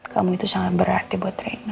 kamu itu sangat berarti buat reina